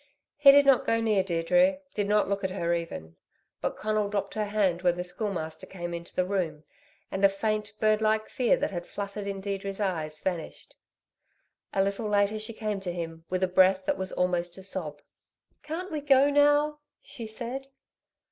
He did not go near Deirdre, did not look at her even. But Conal dropped her hand when the Schoolmaster came into the room, and a faint bird like fear that had fluttered in Deirdre's eyes vanished. A little later she came to him with a breath that was almost a sob. "Can't we go now?" she said.